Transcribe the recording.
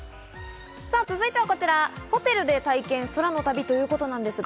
続いてはこちら、ホテルで体験、空の旅ということです。